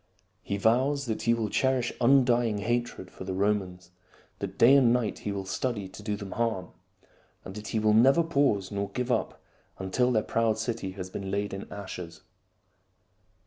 He vows that he will cherish undying hatred for the Romans, that day and night he will study to do them harm, and that he will never pause nor give up until their proud city has been laid in ashes.